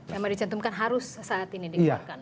yang dicentumkan harus saat ini dikeluarkan